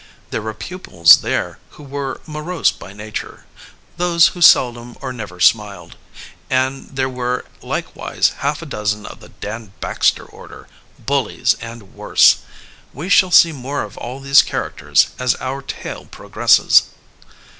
There were pupils there who were morose by nature, those who seldom or never smiled, and there were likewise half a dozen of the Dan Baxter order bullies and worse. We shall see more of all these characters as our tale progresses.